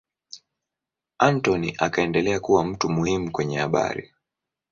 Anthony akaendelea kuwa mtu muhimu kwenye habari.